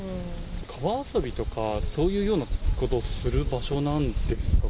川遊びとか、そういうようなことをする場所なんですか？